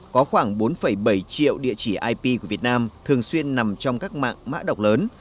có khoảng bốn bảy triệu địa chỉ ip của việt nam thường xuyên nằm trong các mạng mã độc lớn